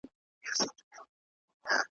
یو او مهم علت یې دا دی `